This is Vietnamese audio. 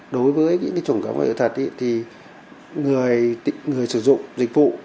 đối với những trường hợp của quảng cáo sách thực thật thì người sử dụng dịch vụ